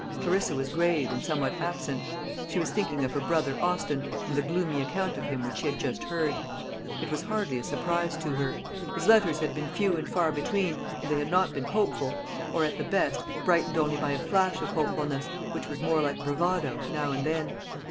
Clarissa was grave and somewhat absent. She was thinking of her brother Austin, and the gloomy account of him which she had just heard. It was hardly a surprise to her. His letters had been few and far between, and they had not been hopeful, or, at the best, brightened by only a flash of hopefulness, which was more like bravado, now and then.